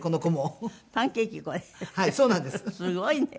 すごいね！